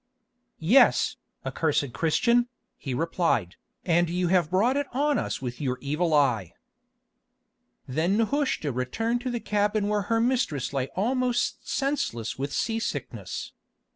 "Yes, accursed Christian," he replied, "and you have brought it on us with your evil eye." Then Nehushta returned to the cabin where her mistress lay almost senseless with sea sickness.